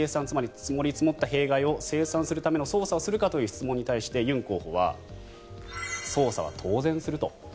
つまり積もり積もった弊害を清算するための捜査をするかという質問に対してユン候補は捜査は当然すると。